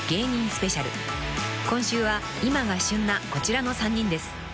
［今週は今が旬なこちらの３人です］